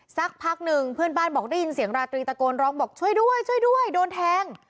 สักพักหนึ่งเพื่อนบ้านบอกได้ยินเสียงราตรีตะโกนร้องบอกช่วยด้วยช่วยด้วยโดนแทง